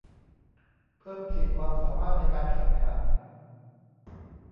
เพิ่มขีดความสามารถในการแข่งขัน